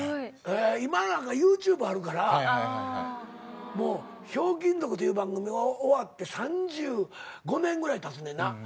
今なんかＹｏｕＴｕｂｅあるからもう『ひょうきん族』という番組終わって３５年ぐらいたつねんな。